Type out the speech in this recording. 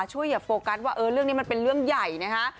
อย่าโฟกัสว่าเรื่องนี้มันเป็นเรื่องใหญ่นะคะ